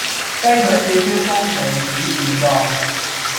雞腿照燒風味煮便當